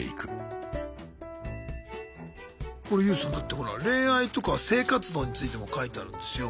これＹＯＵさんだってほら恋愛とか性活動についても書いてあるんですよ。